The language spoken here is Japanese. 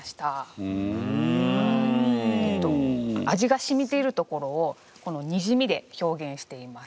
味がしみているところをこのにじみで表現しています。